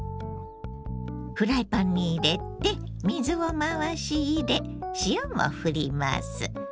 フライパンに入れて水を回し入れ塩もふります。